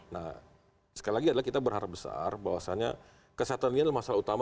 nah sekali lagi adalah kita berharap besar bahwasannya kesehatan ini adalah masalah utama